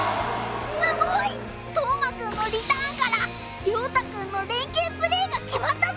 すごい！斗真くんのリターンから凌大くんの連けいプレーが決まったぞ！